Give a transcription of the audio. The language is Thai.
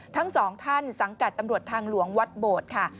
ทั้งสองท่านสังกัดตำรวจทางหลวงวัดโบดค่ะ